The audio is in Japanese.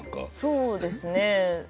そうですね。